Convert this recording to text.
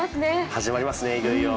始まりますね、いよいよ。